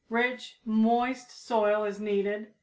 Rich, moist soil is needed.